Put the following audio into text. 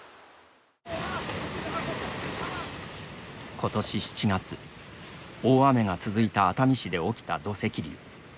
ことし７月、大雨が続いた熱海市で起きた土石流。